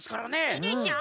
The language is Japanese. いいでしょ？